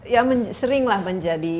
ya seringlah menjadi